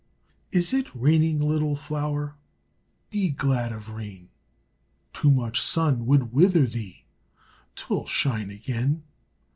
Is it raining, little flower? Be glad of rain. Too much sun would wither thee, 'Twill shine again.